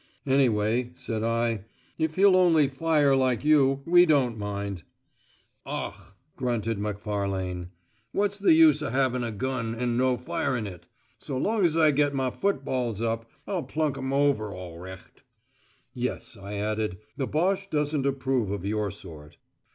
"Anyway," said I, "if he'll only fire like you, we don't mind." "Och!" grunted Macfarlane. "What's the use of havin' a gun, and no firin' it? So long as I get ma footballs up, I'll plunk them over aw recht." "Yes," I added. "The Boche doesn't approve of your sort."